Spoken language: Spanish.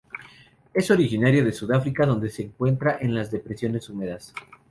Es originario de Sudáfrica donde se encuentra en las depresiones húmedas.